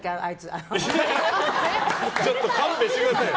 ちょっと勘弁してくださいよ